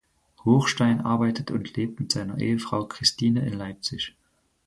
Hochstein arbeitet und lebt mit seiner Ehefrau Christine in Leipzig.